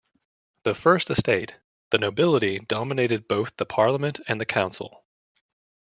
The first Estate, the nobility, dominated both the parliament and the council.